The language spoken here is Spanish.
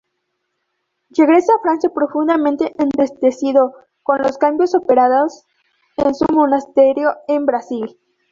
Regresa a Francia profundamente entristecido con los cambios operados en su monasterio en Brasil.